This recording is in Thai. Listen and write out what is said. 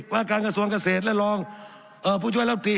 วัลการณ์กระทรวงเกษตรและรองเอ่อผู้ช่วยรัฐบนทรีย์